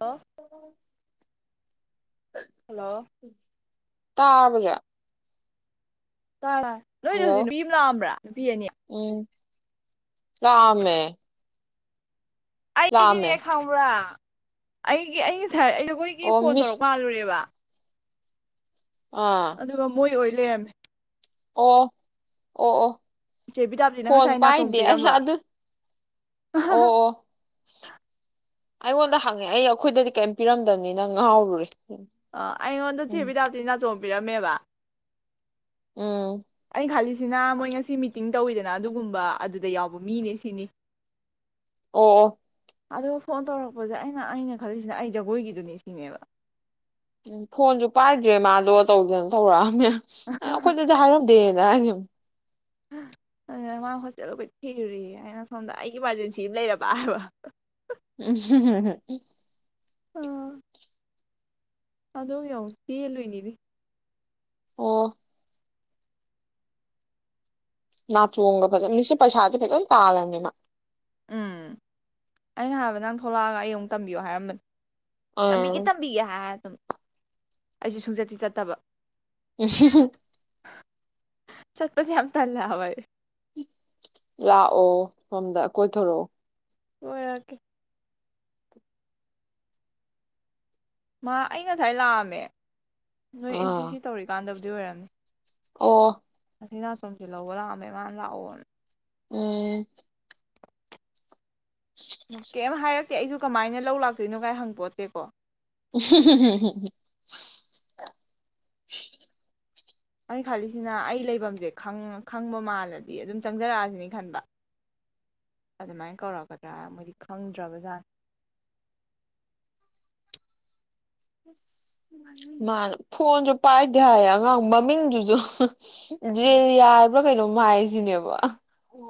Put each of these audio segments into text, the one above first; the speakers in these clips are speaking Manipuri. ꯍꯜꯂꯣ ꯍꯜꯂꯣ ꯇꯥꯕꯒ ꯅꯣꯏꯗ ꯍꯧꯁꯨ ꯍꯜꯂꯣ ꯅꯨꯄꯤ ꯑꯃ ꯂꯥꯛꯑꯝꯕ꯭ꯔꯥ ꯅꯨꯄꯤ ꯑꯅꯤ ꯂꯥꯜ ꯑꯃꯃꯦ ꯑꯩꯗꯤꯅꯦ ꯈꯪꯕ꯭ꯔꯥ ꯑꯩꯒꯤ ꯑꯩ ꯁꯥꯔ ꯑꯩꯈꯣꯏꯒꯤ ꯑꯣ ꯐꯣꯟ ꯇꯧꯔꯛ ꯃꯤꯁ ꯃꯥꯥꯜꯂꯨꯔꯦꯕ ꯑꯥ ꯑꯗꯨꯒ ꯃꯣꯏ ꯑꯣꯏ ꯄ꯭ꯂꯦꯝ ꯑꯣ ꯑꯣ ꯑꯣ ꯆꯦ ꯕꯤꯇꯥꯞꯇꯤꯅ ꯐꯣꯟ ꯉꯁꯥꯏ ꯅꯥꯆꯣꯝ ꯄꯥꯏꯗꯦ ꯑꯩ ꯄꯤꯔꯝꯕ ꯑꯗꯨ ꯑꯣ ꯑꯣ ꯑꯩꯉꯣꯟꯗ ꯍꯪꯉꯦ ꯑꯩꯈꯣꯏꯗꯗꯤ ꯀꯩꯝ ꯄꯤꯔꯝꯗꯕꯅꯤ ꯅꯪ ꯉꯥꯎꯔꯨꯔꯦ ꯑ ꯑꯩꯩꯅꯣꯟ ꯎꯝ ꯆꯖꯤꯕꯤꯤꯗꯎꯇꯅ ꯆꯣꯝ ꯕꯤꯔꯝꯃꯦꯕ ꯎꯝ ꯅꯩꯅ ꯈꯜꯂꯤꯁꯤꯅ ꯃꯣꯏ ꯉꯁꯤ ꯃꯤꯇꯤꯡ ꯇꯧꯋꯤꯗꯅ ꯑꯗꯨꯒꯨꯝꯕ ꯑꯗꯨꯗ ꯌꯥꯎꯕ ꯃꯤꯅꯦ ꯁꯤꯅꯤ ꯑꯣ ꯑꯣ ꯑꯗꯨꯒ ꯐꯣꯟ ꯇꯧꯔꯛꯄꯁꯦ ꯑꯩꯅ ꯑꯩꯅ ꯈꯜꯂꯤꯁꯤꯅ ꯑꯩ ꯖꯒꯣꯏꯒꯤꯗꯨꯅꯤ ꯁꯤꯅꯦꯕ ꯎꯝ ꯐꯣꯟꯁꯨ ꯄꯥꯏꯗ꯭ꯔꯦ ꯃꯥꯗꯣ ꯇꯧꯗꯦꯅ ꯇꯧꯔꯛꯑꯝꯃꯦ ꯑꯦ ꯑꯩꯈꯣꯏꯅꯗꯤ ꯍꯥꯏꯔꯝꯗꯦ ꯌꯥ ꯑꯗꯨ ꯃꯥ ꯍꯣꯁꯇꯦꯜꯗ ꯑꯩ ꯀꯣꯏ ꯊꯤꯔꯨꯔꯤ ꯍꯥꯏꯅ ꯁꯣꯝꯗ ꯑꯩꯒꯤ ꯏꯃꯥꯔꯖꯦꯟꯁꯤ ꯑꯃ ꯂꯩꯔꯕ ꯍꯥꯏꯕ ꯎꯝ ꯑꯥ ꯑꯗꯣ ꯌꯎ ꯀꯤ ꯑꯦꯜ ꯌꯦꯅꯤꯗꯤ ꯑꯣ ꯉ ꯇꯣꯒ ꯐꯖ ꯃꯤꯁ ꯄꯁꯥꯇꯦ ꯐꯖ ꯇꯥꯂꯅꯤꯃ ꯎꯝ ꯑꯩꯅ ꯍꯥꯏꯕ ꯅꯪ ꯊꯣꯛꯂꯛꯑꯒ ꯑꯩ ꯑꯃꯨꯛ ꯇꯝꯕꯤꯌꯣ ꯍꯥꯏꯔꯝꯕꯅꯦ ꯇꯝꯕꯤꯒꯤ ꯑꯥ ꯇꯝꯕꯤ ꯀ ꯍꯥꯏ ꯑꯩꯁꯨ ꯁꯨꯡꯆꯠꯇꯤ ꯆꯠꯇꯕ ꯎꯝ ꯆꯠꯄꯁꯤ ꯌꯥꯝꯝ ꯊꯜꯂ ꯍꯋꯥꯏ ꯂꯥꯛꯑꯣ ꯁꯣꯝꯗ ꯀꯣꯏꯊꯣꯔꯛꯑꯣ ꯑꯣꯏ ꯌꯥ ꯀ ꯃꯥ ꯑꯩ ꯉꯁꯥꯏ ꯂꯥꯛꯑꯝꯃꯦ ꯅꯣꯏ ꯑꯦꯟ ꯁꯤ ꯑꯥ ꯁꯤ ꯇꯧꯔꯤꯀꯥꯟꯗ ꯑꯗꯨꯗꯤ ꯑꯣꯏꯔꯅꯤ ꯑꯣ ꯑꯁꯤꯅ ꯆꯣꯝꯁꯤꯦ ꯂꯧꯕ ꯂꯥꯛꯑꯝꯃꯦ ꯃꯥꯅ ꯂꯥꯛꯑꯣꯅꯦ ꯎꯝ ꯀꯦꯝ ꯍꯥꯏꯌ ꯠꯇꯦ ꯑꯩꯁꯨ ꯀꯃꯥꯏꯅ ꯂꯧ ꯂꯥꯛꯇꯣꯏꯅꯣ ꯀꯥꯏ ꯍꯪꯄꯣꯠꯇꯦꯀꯣ [unintelligible] ꯑꯩ ꯈꯜꯂꯤꯁꯤꯅ ꯑꯩ ꯂꯩꯐꯝꯁꯦ ꯈꯪꯕ ꯃꯥꯜꯂꯗꯤ ꯑꯗꯨꯝ ꯆꯪꯖꯔꯛꯑꯁꯤꯅꯤ ꯈꯟꯕ ꯑꯗꯨꯃꯥꯏꯅ ꯀꯧꯔꯛꯀꯗ꯭ꯔꯥ ꯃꯣꯏꯗꯤ ꯈꯪꯗ꯭ꯔꯕ ꯖꯥꯠꯅꯤ ꯃꯥꯅꯦ ꯐꯣꯟꯁꯨ ꯄꯥꯏꯗꯤꯦ ꯍꯥꯏꯌꯦ ꯑꯉꯥꯡ ꯃꯃꯤꯡꯗꯨꯁꯨ ꯌꯥꯔ ꯄꯨ꯭ꯔ ꯀꯩꯅꯣ ꯃꯥꯏꯁꯤꯅꯦꯕ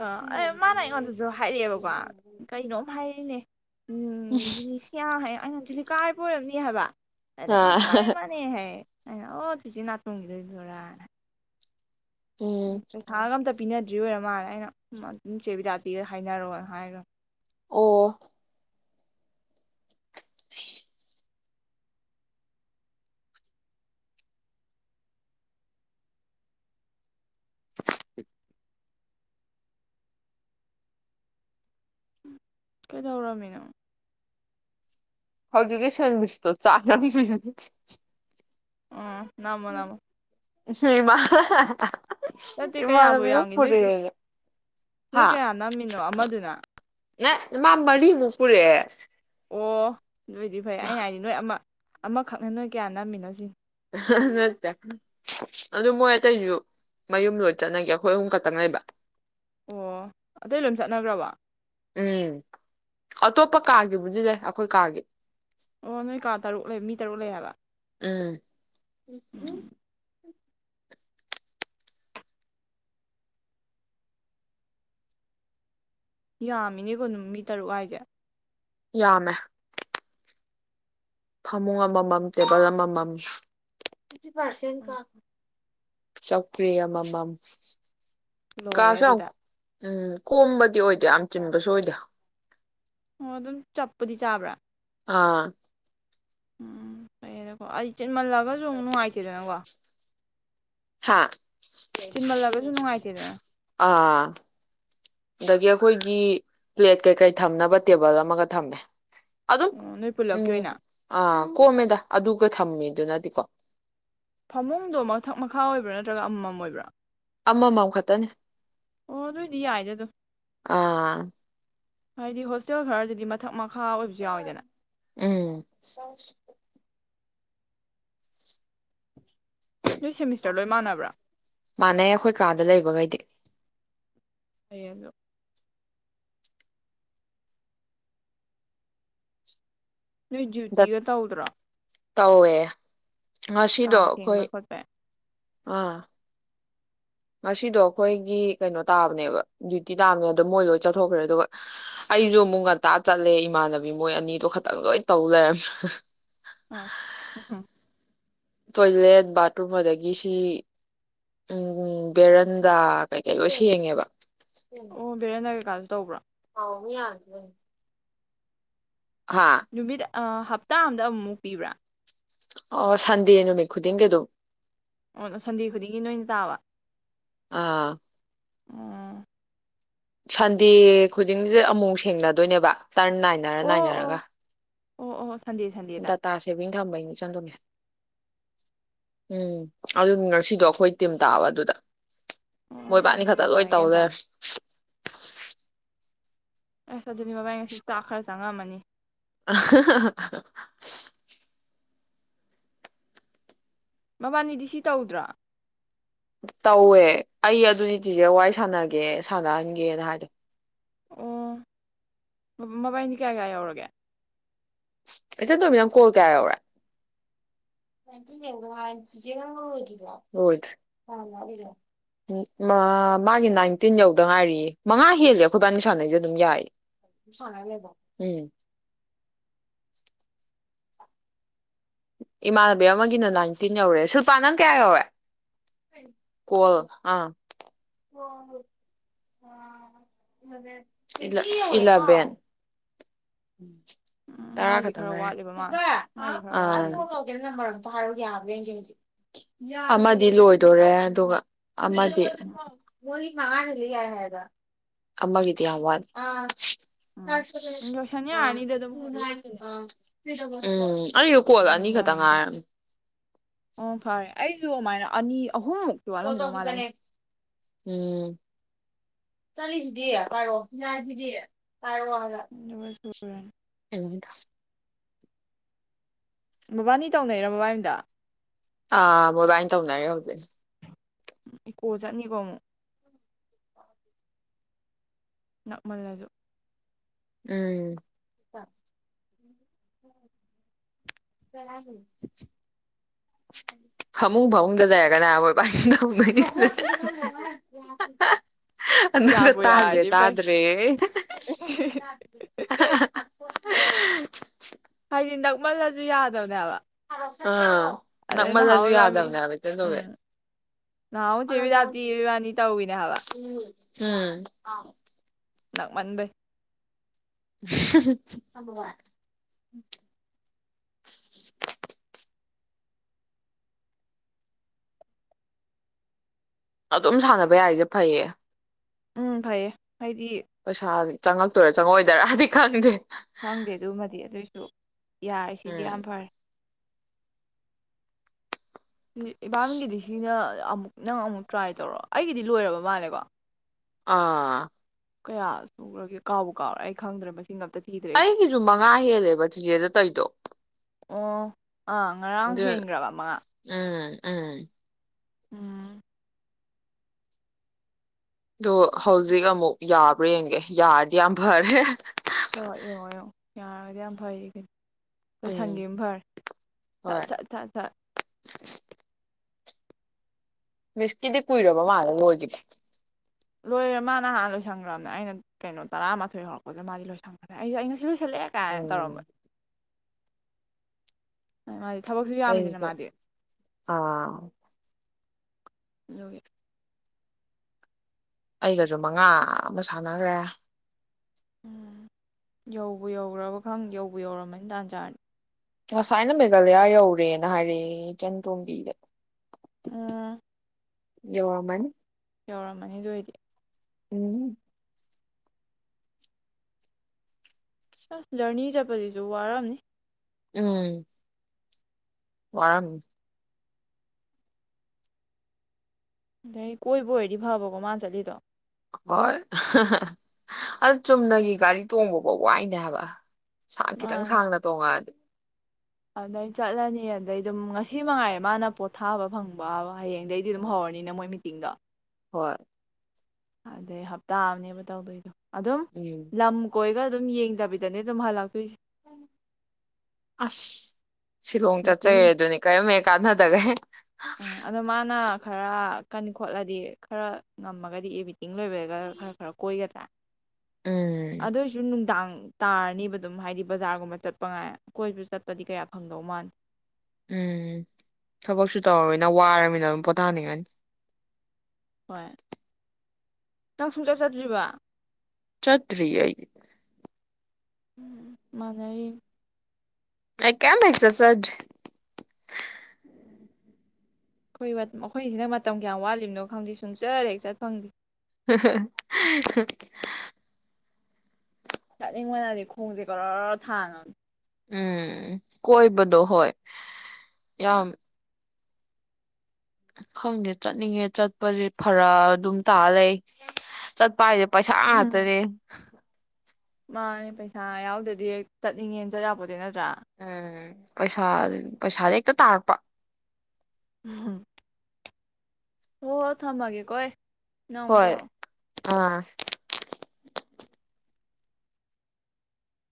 ꯑ ꯑꯦ ꯃꯥꯅ ꯑꯩꯉꯣꯟꯗꯁꯨ ꯍꯥꯏꯔꯛꯑꯦꯕꯀꯣ ꯀꯩꯅꯣꯝ ꯍꯥꯏ ꯅꯦ ꯎꯝ ꯁꯤꯌꯥ ꯍꯥꯏ ꯑꯩꯩꯅ ꯍꯧꯖꯤꯗꯤ ꯀꯥꯏ ꯄ ꯑꯣꯏꯔꯕꯅꯤ ꯍꯥꯏꯕ ꯑꯔꯦ ꯑ ꯃꯥꯅꯦ ꯃꯥꯅꯦ ꯃꯥꯅꯦ ꯍꯥꯏ ꯑꯩꯅ ꯑꯣ ꯆꯤꯆꯤ ꯅꯥꯇꯣꯡꯈꯤꯗꯣꯏꯗꯣꯏꯣꯔꯥꯅ ꯎꯝ ꯎꯒꯝ ꯇ ꯄꯤꯅꯗ꯭ꯔꯤ ꯑꯣꯏꯔ ꯃꯥꯜꯂꯅ ꯑꯩꯅ ꯑꯗꯨꯝ ꯏ ꯆꯦꯕꯤꯗꯥꯇꯤꯗ ꯍꯥꯏꯅꯔꯣꯑꯣꯅ ꯍꯥꯏꯔꯦ ꯑꯣ [inaudible] [inaudible] ꯀꯩꯗꯧꯔꯃꯤꯅꯣ ꯍꯧꯖꯒꯦꯁ ꯃꯤꯁ ꯇ ꯆ ꯎꯝ ꯃꯅꯥꯃ ꯍꯃ ꯆꯠꯇꯦ ꯀꯌꯥꯕꯨ ꯌꯥꯝꯒ ꯅꯣꯏꯒꯤ ꯅꯣꯏ ꯀꯌꯥ ꯅꯝꯃꯤꯅꯣ ꯑꯃꯗꯨꯅ ꯅ ꯃꯥ ꯃꯔꯤꯃꯨꯛ ꯄꯨꯔꯛꯑꯦ ꯑꯣ ꯑꯗꯨ ꯑꯣꯏꯗꯤ ꯐꯩ ꯑꯩꯅ ꯍꯥꯏꯅꯤ ꯅꯣꯏ ꯑꯃ ꯑꯃꯈꯛꯅ ꯅꯣꯏ ꯀꯌꯥ ꯅꯝꯃꯤꯅꯣ ꯁꯤ ꯅꯠꯇꯦ ꯑꯗꯨ ꯃꯣꯏ ꯑꯇꯩꯁꯨ ꯃꯌꯨꯝ ꯂꯣꯏ ꯆꯠꯅꯒꯦ ꯑꯩꯈꯣꯏ ꯑꯍꯨꯝ ꯈꯛꯇꯪ ꯂꯩꯕ ꯑꯣ ꯑꯇꯩ ꯂꯣꯏꯝ ꯆꯠꯅꯈ꯭ꯔꯕ ꯎꯝ ꯑꯇꯣꯞꯄ ꯀꯥꯒꯤꯕꯨꯗꯤ ꯂꯩ ꯑꯩꯈꯣꯏ ꯀꯥꯒꯤ ꯑꯣ ꯅꯣꯏ ꯀꯥ ꯇꯔꯨꯛ ꯂꯩ ꯃꯤ ꯇꯔꯨꯛ ꯂꯩ ꯍꯥꯏꯕ ꯎꯝ ꯎꯝ ꯌꯥꯝꯃꯤꯅꯦꯀꯣ ꯅꯨꯃꯤ ꯇꯔꯨꯛ ꯍꯥꯏꯁꯦ ꯌꯥꯃꯦ ꯐꯃꯨꯡ ꯑꯃꯃꯝ ꯇꯦꯕꯜ ꯑꯃꯃꯝ ꯀꯤ ꯐꯥꯔꯁꯦꯟ ꯀ ꯆꯀ꯭ꯔꯌꯥ ꯃꯃꯝ ꯂꯣꯏꯔꯦ ꯑꯗꯨꯗ ꯎꯝ ꯀꯣꯝꯕꯗꯤ ꯑꯣꯏꯗꯦ ꯌꯥꯝ ꯆꯤꯟꯕꯁꯨ ꯑꯣꯏꯗꯦ ꯑꯣ ꯑꯗꯨꯝ ꯆꯞꯄꯗꯤ ꯆꯥꯕ꯭ꯔꯥ ꯑꯥ ꯎꯝ ꯐꯔꯀꯣ ꯆꯠꯃꯜꯂꯒꯁꯨ ꯑꯃ ꯅꯨꯡꯉꯥꯏꯇꯦꯗꯅꯀꯣ ꯍꯥꯥ ꯆꯤꯟꯃꯜꯂꯒꯁꯨ ꯅꯨꯡꯉꯥꯏꯇꯦꯗꯅ ꯑ [inaudible] ꯑꯗꯒꯤ ꯑꯩꯈꯣꯏꯒꯤ ꯄ꯭ꯂꯦꯠ ꯀꯩꯀꯩ ꯊꯝꯅꯕ ꯇꯦꯕꯜ ꯑꯃꯒ ꯊꯝꯃꯦ ꯑꯗꯨ ꯑꯗꯨꯝ ꯑꯣ ꯅꯣꯏ ꯄꯨꯜꯂꯞꯀꯤ ꯎꯝ ꯑꯣꯏꯅ ꯑ ꯀꯣꯝꯃꯦꯗ ꯑꯗꯨꯒ ꯊꯝꯃꯦꯗꯨꯅꯗꯤꯀꯣ ꯐꯃꯨꯡꯗꯣ ꯃꯊꯛ ꯃꯈꯥ ꯑꯣꯏꯕ꯭ꯔꯥ ꯅꯠꯇ꯭ꯔꯒ ꯑꯃꯃꯝ ꯑꯣꯏꯕ꯭ꯔꯥ ꯑꯃꯃꯝ ꯈꯛꯇꯅꯤ ꯑꯣ ꯗꯣꯏꯗꯤ ꯌꯥꯏꯗ ꯑꯗꯨ ꯑꯥ ꯍꯥꯏꯗꯤ ꯍꯣꯁꯇꯦꯜ ꯈꯔꯗꯨꯗꯤ ꯃꯊꯛ ꯍꯥꯥ ꯑꯣꯏꯕꯁꯨ ꯌꯥꯎꯋꯤꯗꯅ ꯎꯝ ꯅꯣꯏ ꯁꯦꯃꯤꯁꯇꯔ ꯂꯣꯏ ꯃꯥꯟꯅꯕ꯭ꯔꯥ ꯃꯥꯟꯅꯩ ꯑꯩꯈꯣꯏ ꯀꯥꯗ ꯂꯩꯕꯈꯩꯗꯤ ꯀꯌꯦꯗꯣ ꯅꯣꯏ ꯗꯠ ꯗꯨꯏꯇꯤꯒ ꯇꯧꯗ꯭ꯔꯥ ꯇꯧꯋꯦ ꯉꯁꯤꯗꯣ ꯑꯩꯈꯣꯏ ꯁꯦꯡꯕꯩ ꯈꯣꯠꯄꯩ ꯑꯥ ꯉꯁꯤꯗꯣ ꯑꯩꯈꯣꯏꯒꯤ ꯀꯩꯅꯣ ꯇꯥꯕꯅꯦꯕ ꯗ꯭ꯌꯨꯇꯤ ꯇꯥꯕꯅꯦ ꯑꯗꯣ ꯃꯣꯏ ꯂꯣꯏ ꯆꯠꯊꯣꯛꯈ꯭ꯔꯦ ꯑꯗꯨꯒ ꯑꯩꯁꯨ ꯑꯃꯨꯛ ꯉꯟꯇꯥ ꯆꯠꯂꯦ ꯏꯃꯥꯟꯅꯕꯤ ꯃꯣꯏ ꯑꯅꯤꯗꯣ ꯈꯇꯪ ꯂꯣꯏ ꯇꯧ ꯂꯩꯔꯝꯃꯦ ꯑꯁ ꯎꯝ ꯇꯣꯏꯂꯦꯠ ꯕꯥꯠꯔꯨꯝ ꯑꯗꯒꯤꯁꯤ ꯎ ꯕꯦꯔꯟꯗꯥ ꯀꯩ ꯀꯩ ꯂꯣꯏ ꯁꯦꯡꯉꯦꯕ ꯑꯣ ꯕꯔꯅꯒꯦ ꯀꯜ ꯇꯧꯕ꯭ꯔꯥ ꯍꯥꯎꯃꯤ ꯌꯥꯗ ꯍꯥꯥ ꯑ ꯍꯞꯇꯥ ꯑꯝꯗ ꯑꯃꯨꯛꯃꯨꯛ ꯄꯤꯕ꯭ꯔꯥ ꯑ ꯁꯟꯗꯦꯅ ꯃ ꯈꯨꯨꯗꯤꯡꯒꯦ ꯑꯗꯨꯣ ꯑꯣ ꯁꯟꯗꯦ ꯈꯨꯗꯤꯡꯒꯤ ꯅꯣꯏꯅ ꯇꯥꯕ ꯑꯥ ꯎꯝ ꯁꯟꯗꯦ ꯈꯨꯗꯤꯡꯁꯦ ꯑꯃꯨꯛ ꯁꯦꯡꯅꯗꯣꯏꯅꯦꯕ ꯇꯔꯟ ꯅꯥꯏꯅꯔ ꯑꯣ ꯅꯥꯏꯅꯔꯒ ꯑꯣ ꯑꯣ ꯑꯣ ꯁꯟꯗꯦ ꯁꯟꯗꯦꯗ ꯗꯇꯥ ꯁꯦꯕꯤꯡ ꯊꯝꯝꯕꯩ ꯎꯝ ꯑꯗꯨ ꯉꯁꯤꯗꯣ ꯑꯩꯈꯣꯏ ꯇꯤꯝ ꯇꯥꯕ ꯑꯗꯨꯗ ꯎꯝ ꯃꯣꯏꯕꯥꯅꯤ ꯎꯝ ꯈꯛꯇ ꯒ꯭ꯌꯥꯟ ꯂꯣꯏ ꯇꯥꯔꯦ ꯒ꯭ꯌꯥꯟ ꯇꯧꯔꯦ ꯇꯥꯔꯦ ꯑꯁ ꯑꯗꯨꯗꯤ ꯕꯥꯏ ꯉꯁꯤ ꯆꯥꯛ ꯈꯔ ꯆꯪꯉꯝꯃꯅꯤ ꯃꯕꯥꯅꯤꯗꯤ ꯁꯤ ꯇꯧꯗ꯭ꯔꯥ ꯇꯧꯋꯦ ꯑꯩ ꯑꯗꯨ ꯇꯤꯖꯦ ꯋꯥꯔꯤꯏ ꯁꯥꯟꯅꯒꯦ ꯁꯥꯟꯅꯍꯟꯒꯦꯅ ꯍꯥꯏꯗꯣ ꯑꯣ ꯃꯕꯥꯏꯅꯤ ꯀꯌꯥ ꯀꯌꯥ ꯌꯧꯔꯒꯦ ꯏꯆꯟ ꯇꯣꯝꯕꯤ ꯅꯪ ꯀꯣꯜ ꯀꯌꯥ ꯌꯧꯔꯦ ꯅꯥꯏꯇꯤꯟ ꯌꯧꯗ ꯉꯥꯏꯔꯤ ꯆꯤꯆꯦ ꯅꯪ ꯂꫭꯏꯗ꯭ꯔꯤꯕꫭ ꯂꫭꯏꯗ꯭ꯔꯤ ꯀꯌꯥꯝ ꯋꯥꯠꯂꯤꯒꯦ ꯃ ꯃꯥꯒꯤ ꯅꯥꯏꯟꯇꯤꯟ ꯌꯧꯗ ꯉꯥꯏꯔꯤꯌꯦ ꯃꯉꯥ ꯍꯦꯜꯂꯦ ꯑꯩꯈꯣꯏꯕꯥꯅꯤ ꯁꯥꯟꯅꯩꯁꯦ ꯑꯗꯨꯝ ꯌꯥꯏ ꯁꯨꯝ ꯁꯥꯟꯅ ꯂꯩꯔꯕꫭ ꯎꯝ ꯏꯃꯥꯟꯅꯕꯤ ꯑꯃꯒꯤꯅ ꯅꯥꯏꯟꯇꯤꯟ ꯌꯧꯔꯦ ꯁꯤꯜꯄꯥꯥ ꯅꯪ ꯀꯌꯥ ꯌꯧꯔꯦ ꯀꯣꯜ ꯑꯥ ꯑ ꯏꯂꯕꯦꯟ ꯏꯂ ꯏꯂꯕꯦꯟ [inaudible] ꯎꯝ ꯇꯔꯥ ꯃꯥꯏꯗꯤ ꯈꯇꯪ ꯈꯔ ꯉꯥꯏꯔꯦ ꯋꯥꯠꯂꯦꯕ ꯃꯥ ꯁꯤꯜꯄꯥ ꯍꯥꯎ ꯃꯥꯏꯗꯤ ꯈꯔ ꯑ ꯑꯩ ꯋꯥꯠꯂꯤ ꯀꫭꯜ ꯑꯗꯨꯗꯤ ꯇꯧꯒꯦ ꯅꯝꯕꯔ ꯑꯝ ꯑꯝꯇ ꯍꯥꯏꯔꯛ ꯑꫭ ꯌꯥꯕ꯭ꯔ ꯌꯦꯡ ꯌꯥꯔꫭꯏ ꯑꯃꯗꯤ ꯂꯣꯏꯗꯣꯔꯦ ꯑꯗꯨꯒ ꯑ ꯃꯗꯤ ꯃꯉꯥꯗꯒꯤ ꯌꯥꯏ ꯍꯥꯏꯕ ꯑꯃꯒꯤꯗꯤ ꯌꯥꯝ ꯋꯥꯠ ꯎꯝ ꯀ꯭ꯂꯥꯁ ꯁꯚꯦꯟ ꯂꯣꯏꯁꯟ ꯌꯥꯔꯅꯤꯗ ꯑꯗꯨꯝ ꯍꫭꯔꯦꯟꯒꯤꯅꯦ ꯎꯝ ꯑꯩꯁꯨ ꯀꯣꯜ ꯑꯅꯤꯈꯛꯇ ꯉꯥꯏꯔꯝꯅꯤ ꯑꯣ ꯐꯔꯦ ꯑꯩꯁꯨ ꯑꯃꯥꯏꯅ ꯑꯅꯤ ꯑꯍꯨꯝ ꯃꯨꯛꯇꯤ ꯋꯥꯂꯝꯒꯤꯗꯧ ꯃꯥꯜꯂꯦ ꯑꯩꯅ ꯆꯠꯂꯤꯁꯤꯗꯤ ꯄꯥꯏꯔꯣꯑꯣ ꯄꯤꯅꯥꯁꯤꯗꯤ ꯄꯥꯏꯔꫭꯑꫭ ꯍꯥꯏꯕ ꯑꯗꯨꯒ ꯁꯨꯔꯅꯤ ꯗꯨꯡꯗ ꯃꯕꯥꯅꯤ ꯇꯧꯅꯩꯔꯣ ꯃꯕꯥꯏꯟꯗꫭ ꯑꯥ ꯃꯣꯏꯕꯥꯥꯏꯅ ꯇꯧꯅꯔꯤ ꯍꯧꯖꯤꯛ ꯏꯀꯣ ꯆꯠꯅꯤꯀꯣ ꯑꯃꯨꯛ ꯅꯛ ꯃꯜꯂꯁꯨ ꯎꯝ ꯀꯩꯍꯥꯏꯅꯤ ꯐꯃꯨꯡ ꯐꯃꯨꯡꯗ ꯂꯩꯔꯒꯅꯦ ꯍꯥꯏ ꯃꯣꯏꯕꯥꯅꯤ ꯇꯧꯅꯩꯁꯤ ꯑꯗꯨꯒ ꯌꯥꯕꯨ ꯇꯥꯗ꯭ꯔꯦ ꯌꯥꯔꯗꯤ ꯐꯩ ꯇꯗ꯭ꯔꯦ ꯑꯌꯦ ꯍꯥꯏꯗꯤ ꯅꯛꯃꯜꯂꯁꯨ ꯌꯥꯗꯕꯅꯦ‌ ꯍꯥꯏꯕ ꯑ ꯅꯃꯜꯂꯖꯨ ꯏꯕꯥꯅꯤ ꯌꯥꯗꯕꯅꯦ ꯍꯥꯏꯕ ꯏꯆꯟ ꯇꫭꯝꯕꯤ ꯎꯝ ꯅꯍꯥꯟꯃꯨꯛ ꯆꯦ ꯕꯤꯗꯥꯞꯇꯤ ꯏꯕꯥꯅꯤ ꯇꯧꯋꯤꯅꯦ ꯍꯥꯏꯕ [unintelligible] ꯎꯝ ꯅꯛ ꯃꯟꯕꯩ [inaudible] ꯑꯗꯨꯝ ꯁꯥꯟꯅꯕ ꯌꯥꯏꯁꯦ ꯐꯩꯌꯦ ꯎꯝ ꯐꯩꯌꯦ ꯍꯥꯏꯗꯤ ꯄꯩꯁꯥꯖꯤ ꯆꯪꯉꯛꯇꯣꯏꯔꯥ ꯆꯪꯉꯑꯣꯏꯗꫭꯏꯔꯥꯗꯤ ꯈꯪꯗꯦ ꯈꯪꯗꯦ ꯑꯗꯨꯃꯗꯤ ꯑꯗꯨꯏꯁꯨ ꯌꯥꯔꯤꯁꯤꯗꯤ ꯎꯝ ꯌꯥꯝ ꯐꯔꯦ ꯏꯕꯥꯕꯤꯒꯤꯗꯤ ꯁꯤꯅ ꯑꯃꯨꯛ ꯅꯪ ꯑꯃꯨꯛ ꯇ꯭ꯔꯥꯏ ꯇꯧꯔꯣ ꯑꯩꯒꯤꯗꯤ ꯂꯣꯏꯔꯕ ꯃꯥꯜꯂꯦꯀꯣ ꯑꯥ ꯀꯌꯥ ꯁꯨꯈꯒꯦ ꯀꯥꯎꯕ ꯀꯥꯎꯔ ꯑꯩ ꯈꯪꯗ꯭ꯔ ꯑꯩꯒꯤꯁꯨ ꯃꯉꯥ ꯍꯦꯜꯂꯦꯕ ꯆꯤꯆꯦꯗ ꯇꯩꯗꯣ ꯑꯥ ꯑꯥ ꯉꯔꯥꯡ ꯍꯦꯟꯈ꯭ꯔꯕ ꯃꯉꯥ ꯑꯝ ꯎꯝ ꯑꯣ ꯍꯧꯖꯤꯛ ꯑꯃꯨꯛ ꯌꯥꯕ꯭ꯔꯥ ꯌꯦꯡꯒꯦ ꯌꯥꯔꯗꯤ ꯌꯥꯝ ꯐꯔꯦ ꯍꯣꯏ ꯌꯦꯡꯉꯣ ꯌꯦꯡꯉ ꯌꯥꯔꯒꯗꯤ ꯌꯥꯝ ꯐꯩ ꯀꯅꯤ ꯎꯝ ꯂꯣꯏꯁꯪꯒꯦꯝꯦꯝ ꯐꯔ ꯁꯠ ꯍꯣꯏ ꯁꯠ ꯁꯠ ꯁꯠ ꯃꯤꯁꯀꯤꯗꯤ ꯀꯨꯏꯔꯕ ꯃꯥꯜꯂꯦ ꯂꯣꯏꯈꯤꯅꯦ ꯂꯣꯏꯔꯦ ꯃꯥꯅ ꯍꯥꯟ ꯂꯣꯏꯁꯟꯈ꯭ꯔꯕꯅꯦ ꯑꯩꯅ ꯀꯩꯅꯣ ꯇꯔꯥꯃꯥꯊꯣꯏ ꯍꯧꯔꯛꯄꯗ ꯃꯥꯗꯤ ꯂꯣꯏꯁꯟꯈ꯭ꯔꯦ ꯑꯩꯁꯦꯩꯅ ꯈꯦꯂꯦ ꯀꯥ ꯎꯝ ꯇꯔꯃꯗ ꯃꯥꯗꯤ ꯊꯕꯛꯁꯨ ꯌꯥꯝꯃꯤꯗꯅ ꯑꯩꯀ ꯃꯥꯗꯤ ꯑꯥ ꯑꯗꯨꯦ ꯑꯩꯒꯁꯨ ꯃꯉꯥ ꯑꯃ ꯁꯥꯟꯅꯈ꯭ꯔꯦ ꯎꯝ ꯌꯧꯕ ꯌꯧ꯭ꯔꯕ ꯈꯪ ꯌꯧꯕ ꯌꯧꯔꯝꯃꯅꯤ ꯇꯥꯟ ꯆꯥꯔꯅꯤ ꯉꯁꯥꯏꯅ ꯃꯦꯘꯥꯂꯌꯥ ꯌꯧꯔꯦꯅ ꯍꯥꯏꯔꯛꯑꯦ ꯏꯆꯟ ꯇꯣꯝꯕꯤꯗ ꯎꯝ ꯌꯃꯅꯤ ꯌꯧꯔꯝꯃꯅꯤꯗ ꯑꯣꯏꯗꯤ ꯎꯝ ꯑꯁ ꯂꯖꯔꯅꯤ ꯆꯠꯄꯁꯤꯁꯨ ꯋꯥꯔꯝꯅꯤ ꯎꯝ ꯋꯥꯔꯝ ꯀꯣꯏꯕꯨ ꯍꯥꯏꯦꯗꯤ ꯐꯥꯎꯕꯀꯣ ꯃꯥꯥ ꯆꯂꯤꯗꯣ ꯍꯣꯏ ꯑ ꯆꯨꯝꯅꯒꯤ ꯒꯥꯔꯤ ꯇꯣꯡꯕꯐꯥꯎ ꯋꯥꯏꯅꯦ ꯍꯥꯏꯕ ꯁ ꯈꯤꯇꯪ ꯃꯥꯅꯦ ꯁꯥꯡꯅ ꯇꯣꯡꯉꯛꯑꯗꯤ ꯑꯗꯩ ꯆꯠꯂꯅꯤ ꯑꯗꯩ ꯑꯗꯨꯝ ꯉꯁꯤ ꯃꯉꯥꯏꯔꯦ ꯃꯥꯅ ꯄꯣꯠꯊꯥꯕ ꯐꯪꯕꯕ ꯍꯌꯦꯡꯗꯒꯤꯩꯗꯤ ꯑꯗꯨꯝ ꯍꯧꯔꯅꯤꯅ ꯃꯣꯏ [inaudible] ꯍꯣꯏ ꯑꯗꯩ ꯍꯞꯇꯥ ꯑꯃꯅꯦꯕ ꯇꯧꯗꯣꯏꯗꯣ ꯑꯗꯨꯝ ꯎꯝ ꯂꯝ ꯀꯣꯏꯒ ꯑꯗꯨꯝ ꯌꯦꯡꯗꯕꯤꯗꯅꯦ ꯑꯗꯨꯝ ꯍꯥꯟꯅ ꯂꯥꯛꯇꯣꯏꯁꯦ ꯑꯁ ꯁꯤꯂꯣꯡ ꯆꯠꯆꯩ ꯃꯤꯇꯤꯡ ꯑꯗꯨꯅꯤ ꯀꯔꯤꯔꯝꯃꯦ ꯀꯥꯟꯅꯗꯒꯦ ꯑ ꯑꯗꯣ ꯃꯥꯅ ꯈꯔ ꯀꯟ ꯈꯣꯠꯂꯗꯤ ꯈꯔ ꯉꯝꯃꯒꯗꯤ ꯑꯦꯕꯤꯇꯤꯡ ꯂꯣꯏꯕꯒ ꯈꯔ ꯈꯔ ꯀꯣꯏꯒꯗ꯭ꯔꯥ ꯎꯝ ꯑꯗꯨ ꯑꯣꯏꯁꯨ ꯅꯨꯡꯗꯥꯡ ꯇꯥꯔꯅꯤꯕ ꯑꯗꯨꯝ ꯍꯥꯏꯗꯤ ꯕꯖꯥꯔꯒꯨꯝꯕ ꯆꯠꯄ ꯉꯥꯏ ꯀꯣꯏꯕ ꯆꯠꯄꯗꯤ ꯀꯌꯥ ꯐꯪꯗꯧ ꯃꯥꯟꯗ꯭ꯔꯦ ꯎꯝ ꯊꯕꯛꯁꯨ ꯇꯧꯔꯕꯃꯤꯅ ꯋꯥꯔꯕꯃꯤꯅ ꯑꯗꯨꯝ ꯄꯣꯊꯥꯅꯤꯡꯉꯅꯤ ꯍꯣꯏ ꯅꯪ ꯁꯨꯡꯆꯠ ꯆꯠꯇ꯭ꯔꯤꯕ ꯆꯠꯇ꯭ꯔꯤꯌꯦ ꯑꯩꯗꯤ ꯃꯥꯅꯔꯤ ꯑꯩ ꯀꯦꯝ ꯍꯦꯛ ꯆꯠꯆꯗ꯭ꯔꯤ ꯑꯈꯣꯏ ꯑꯈꯣꯏꯁꯤꯅ ꯃꯇꯝ ꯀꯌꯥꯝ ꯋꯥꯠꯂꯤꯕꯅꯣ ꯈꯪꯗꯦ ꯁꯨꯡ ꯆꯠ ꯍꯦꯛ ꯆꯠ ꯐꯪꯗꯦ [unintelligible] ꯆꯠꯅꯤꯡꯕꯅꯗꯤ ꯈꯣꯡꯁꯦ [unintelligible] ꯊꯥꯡꯉꯝꯅꯤ ꯎꯝ ꯀꯣꯏꯕꯗꯣ ꯍꯣꯏ ꯌꯥ ꯍꯣꯏ ꯈꯪꯗꯦ ꯆꯠꯅꯤꯡꯉꯦ ꯆꯠꯄꯁꯦ ꯐꯔꯛ ꯑꯗꯨꯝ ꯇꯥ ꯂꯩ ꯆꯠꯄ ꯍꯥꯏ ꯄꯩꯁꯥ ꯉꯥꯛꯇꯅꯤ ꯃꯥꯅꯦ ꯄꯩꯁꯥ ꯌꯥꯎꯗꯗꯤ ꯆꯠꯅꯤꯡꯉꯦꯅ ꯆꯠꯌꯥꯄꯣꯠꯇꯦ ꯅꯠ ꯎꯝ ꯄꯩꯁꯥ ꯄꯩꯁꯥꯥꯗ ꯍꯦꯛꯇ ꯇꯥꯔꯛꯄ ꯎꯝ ꯍꯣꯍꯣꯏ ꯊꯝꯃꯒꯦꯀꯣ ꯑꯩ ꯅꯪ ꯑꯃꯨꯛ ꯍꯣꯏ ꯇꯧꯔꯣ ꯑꯥ